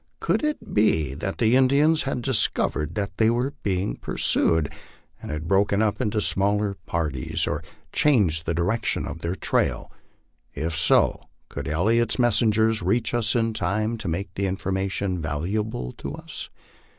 Could it be that the Indians had discovered that they were pursued, and had broken up into smaller parties or changed the di rection of their trail ? If so, could Elliot's messengers reach us in. time to make the information valuable to us?